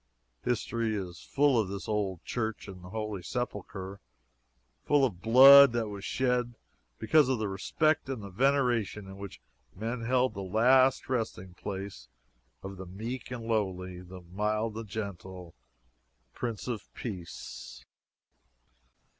History is full of this old Church of the Holy Sepulchre full of blood that was shed because of the respect and the veneration in which men held the last resting place of the meek and lowly, the mild and gentle, Prince of Peace!